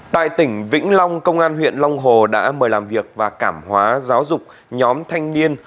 tại tỉnh vĩnh long công an huyện long hồ đã mời làm việc và cảm hóa giáo dục nhóm thanh niên